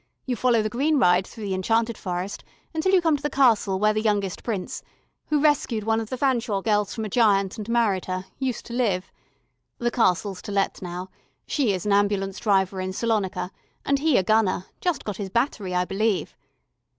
You follow the Green Ride through the Enchanted Forest, until you come to the Castle where the Youngest Prince who rescued one of the Fetherstonhaugh girls from a giant and married her used to live. The Castle's to let now; she is an ambulance driver in Salonika, and he a gunner just got his battery, I believe.